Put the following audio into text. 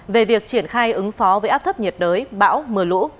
về việc triển khai ứng phó với áp thấp nhiệt đới bão mưa lũ